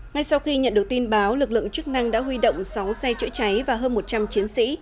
ngay sau khi nhận được tin báo lực lượng chức năng đã huy động sáu xe chữa cháy và hơn một trăm linh chiến sĩ